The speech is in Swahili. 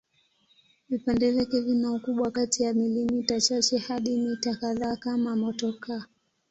Vipande vyake vina ukubwa kati ya milimita chache hadi mita kadhaa kama motokaa.